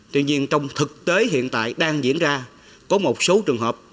tuy nhiên trong thực tế hiện tại đang diễn ra có một số trường hợp